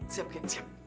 siap siap siap